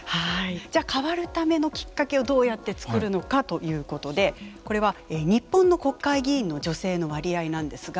じゃあ変わるためのきっかけをどうやって作るのかということでこれは日本の国会議員の女性の割合なんですが。